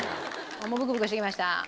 もうブクブクしてきました。